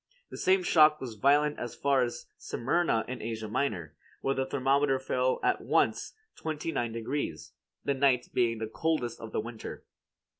The same shock was violent as far as Smyrna in Asia Minor, where the thermometer fell at once twenty nine degrees, the night being the coldest of the winter.